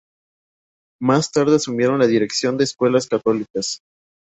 Más tarde asumieron la dirección de escuelas católicas.